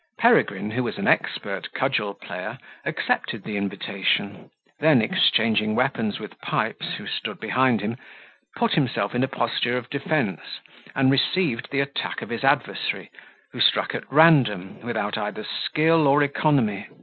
Peregrine, who was an expert cudgel player, accepted the invitation: then, exchanging weapons with Pipes, who stood behind him, put himself in a posture of defence, and received the attack of his adversary, who struck at random, without either skill or economy.